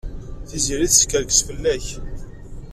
Tiziri teskerkes fell-ak.